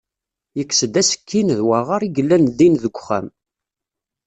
Yekkes-d asekkin d waɣer i yellan din deg uxxam.